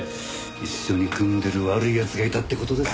一緒に組んでる悪い奴がいたって事ですかね。